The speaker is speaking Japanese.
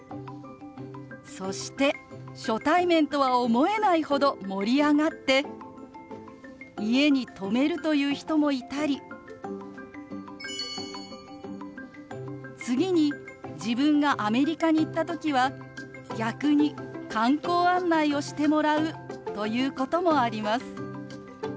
そして初対面とは思えないほど盛り上がって家に泊めるという人もいたり次に自分がアメリカに行った時は逆に観光案内をしてもらうということもあります。